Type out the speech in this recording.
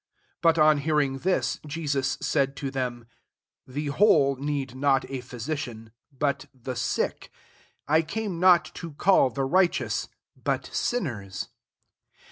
17But on hearing /Alt Jesus said to them, ^ The whole need not a phjsieutn, but the sick ; I came not /o call the righteous, but sinners."